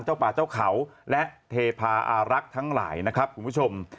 ป่าเจ้าเขาและเทพาอารักษ์ทั้งหลายนะครับคุณผู้ชม